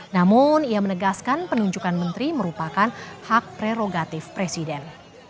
namun ia menegaskan penunjukan menteri merupakan hak prerogatif presiden